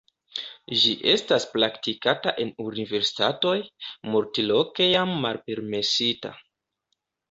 Ĝi estas praktikata en universitatoj, multloke jam malpermesita.